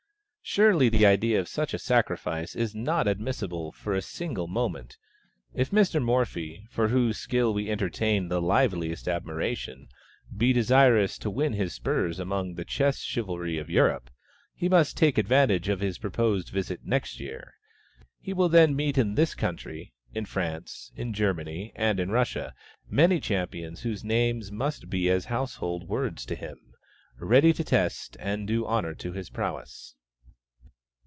Surely the idea of such a sacrifice is not admissible for a single moment. If Mr. Morphy for whose skill we entertain the liveliest admiration be desirous to win his spurs among the chess chivalry of Europe, he must take advantage of his purposed visit next year; he will then meet in this country, in France, in Germany, and in Russia, many champions whose names must be as household words to him, ready to test and do honor to his prowess."